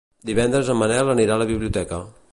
Divendres en Manel anirà a la biblioteca.